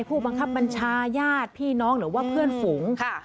ผู้บังคับบัญชายาดพี่น้องหรือว่าเพื่อนฝูง